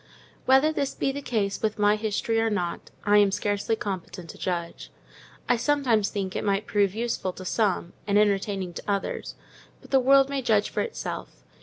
Whether this be the case with my history or not, I am hardly competent to judge. I sometimes think it might prove useful to some, and entertaining to others; but the world may judge for itself.